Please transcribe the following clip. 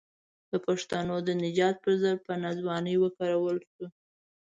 د پښتنو د نجات پر ضد په ناځوانۍ وکارول شو.